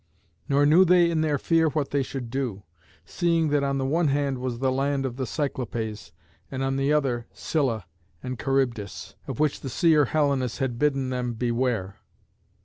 Nor knew they in their fear what they should do, seeing that on the one hand was the land of the Cyclopés, and on the other Scylla and Charybdis, of which the seer Helenus had bidden them beware.